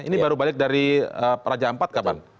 ini baru balik dari raja ampat kapan